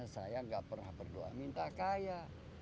saya gak pernah berdoa minta kaya